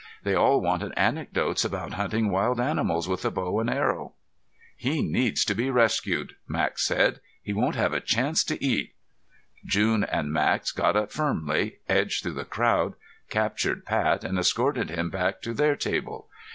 They all wanted anecdotes about hunting wild animals with a bow and arrow. "He needs to be rescued," Max said. "He won't have a chance to eat." June and Max got up firmly, edged through the crowd, captured Pat and escorted him back to their table.